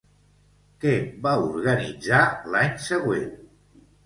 Què va organitzar l'any següent?